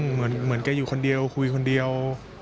เหมือนแกอยู่คนเดียวคุยคนเดียว